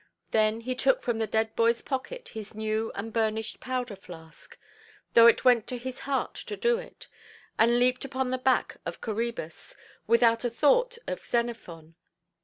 Then he took from the dead boyʼs pocket his new and burnished powder–flask, though it went to his heart to do it, and leaped upon the back of Coræbus, without a thought of Xenophon.